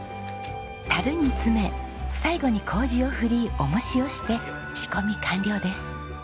樽に詰め最後に糀を振り重しをして仕込み完了です。